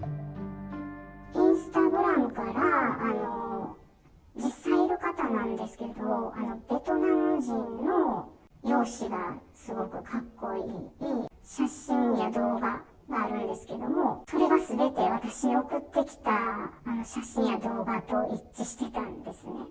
インスタグラムから実際にいる方なんですけど、ベトナム人の容姿がすごくかっこいい、写真や動画があるんですけれども、それがすべて私に送ってきた写真や動画と一致してたんですね。